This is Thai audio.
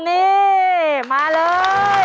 นี่มาเลย